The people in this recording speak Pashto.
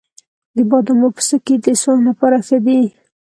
د بادامو پوستکی د سون لپاره ښه دی؟